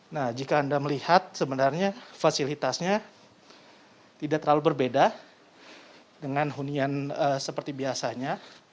nah jika anda melihat sebenarnya fasilitasnya tidak terlalu berbeda dengan hunian seperti biasanya